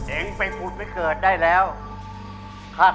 เองเป็นภูมิไม่เขินได้แล้วข้าขอ